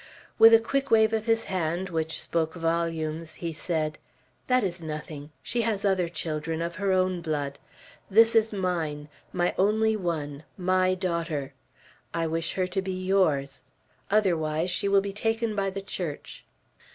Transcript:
With a quick wave of his hand, which spoke volumes, he said: "That is nothing. She has other children, of her own blood. This is mine, my only one, my daughter. I wish her to be yours; otherwise, she will be taken by the Church."